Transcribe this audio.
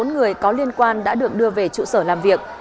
bốn mươi bốn người có liên quan đã được đưa về trụ sở làm việc